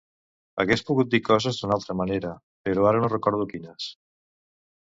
Hagués pogut dir coses d'una altra manera, però ara no recordo quines.